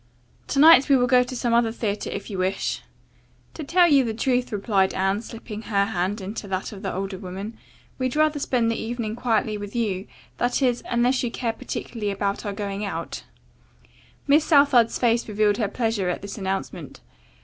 To night we will go to some other theatre if you wish." "To tell you the truth," replied Anne, slipping her hand into that of the older woman, "we'd rather spend the evening quietly with you. That is, unless you care particularly about our going out." Miss Southard's face revealed her pleasure at this announcement.